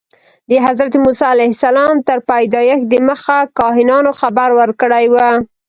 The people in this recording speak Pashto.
د حضرت موسی علیه السلام تر پیدایښت دمخه کاهنانو خبر ورکړی و.